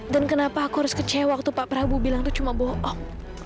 kenapa aku harus kecewa waktu pak prabu bilang itu cuma bohong